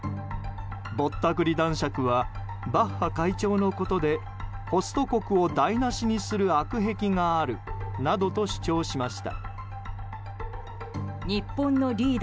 ぼったくり男爵はバッハ会長のことでホスト国を台無しにする悪癖があるなどと主張しました。